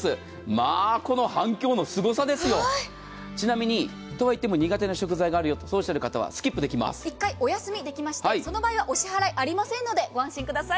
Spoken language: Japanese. まあ、この反響のすごさですよ。とはいっても苦手な食材があるよとおっしゃる方は１回お休みできまして、その場合はお支払いがありませんので、ご安心ください。